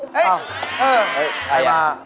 ไงมา